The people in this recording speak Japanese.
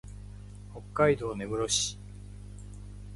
北海道根室市